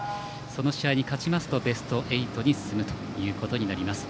その試合に勝ちますとベスト８に進むことになります。